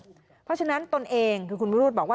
เพราะฉะนั้นตนเองคือคุณวิรุธบอกว่า